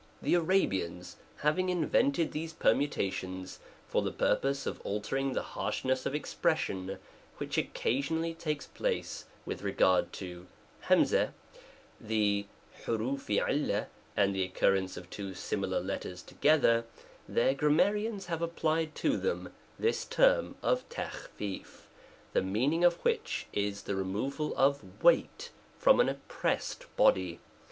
The Arabians, ha ving invented these permutations, for the purpose x>f altering the harshness of expression, which occasion ally takesplace, with regard to 'j the >XcL_3j^s* and ihe occurrence of two similar letters together ; iheir grammarians have applied to them this term P O ' of LjUi*a the meaning of which is the removal of * weight from an oppressed body.